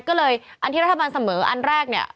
ก็เลยอันที่รัฐบาลเสมออันแรกเนี่ย